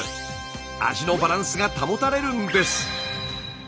味のバランスが保たれるんです。